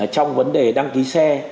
trong vấn đề đăng ký xe